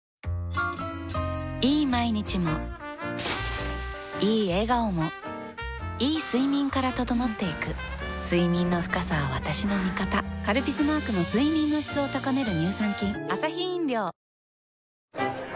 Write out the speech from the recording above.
いい毎日もいい笑顔もいい睡眠から整っていく睡眠の深さは私の味方「カルピス」マークの睡眠の質を高める乳酸菌あー